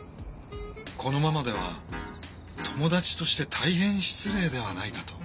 このままでは友達として大変失礼ではないかと。